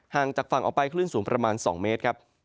งจากฝั่งออกไปคลื่นสูงประมาณ๒เมตรครับ